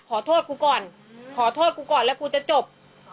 ขอโทษกูก่อนขอโทษกูก่อนแล้วกูจะจบ